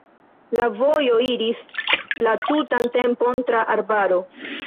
La vojo iris la tutan tempon tra arbaro.